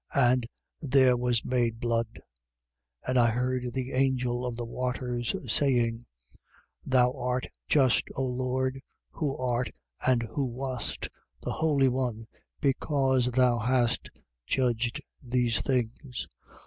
And there was made blood. 16:5. And I heard the angel of the waters saying: Thou art just, O Lord, who art and who wast, the Holy One, because thou hast judged these things.